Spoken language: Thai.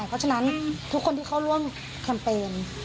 เพราะฉะนั้นทุกคนที่เข้าร่วมแคมเปญ